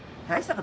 はい。